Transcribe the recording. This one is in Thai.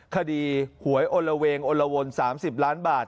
คดีหวยอลละเวงอลละวน๓๐ล้านบาท